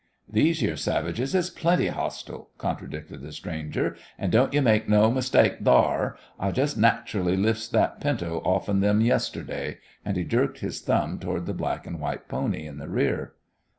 "These yere savages is plenty hostile," contradicted the stranger, "and don't you make no mistake thar. I jest nat'rally lifts that pinto offen them yisterday," and he jerked his thumb toward the black and white pony in the rear.